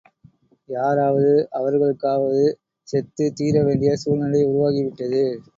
யாராவது அவர்களுக்காகவாவது செத்துத் தீர வேண்டிய சூழ்நிலை உருவாகி விட்டது.